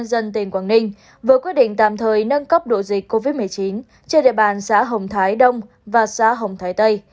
dân tỉnh quảng ninh vừa quyết định tạm thời nâng cấp độ dịch covid một mươi chín trên địa bàn xã hồng thái đông và xã hồng thái tây